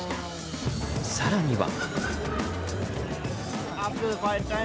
更には。